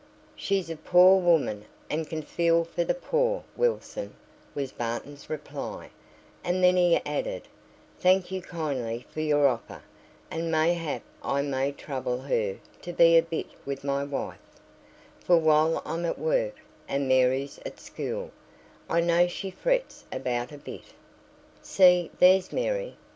"She's a poor woman, and can feel for the poor, Wilson," was Barton's reply; and then he added, "Thank you kindly for your offer, and mayhap I may trouble her to be a bit with my wife, for while I'm at work, and Mary's at school, I know she frets above a bit. See, there's Mary!"